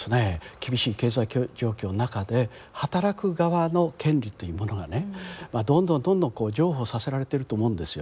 厳しい経済状況の中で働く側の権利というものがねどんどんどんどん譲歩させられてると思うんですよ。